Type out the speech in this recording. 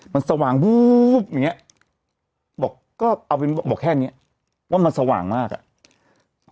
มันสว่างบู๊บอย่างเงี้ยบอกแค่เนี่ยว่ามันสว่างมากอะ